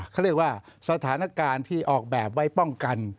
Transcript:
เขาเรียกว่าสถานการณ์ที่ออกแบบไว้ป้องกัน